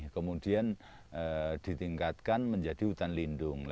kemudian ditingkatkan menjadi hutan lindung